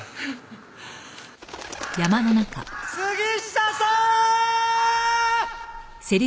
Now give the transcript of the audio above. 杉下さーん！